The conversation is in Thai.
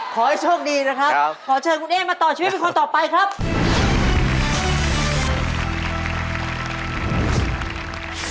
ขอให้โชคดีนะครับขอเชิญคุณเอ๊มาต่อชีวิตเป็นคนต่อไปครับ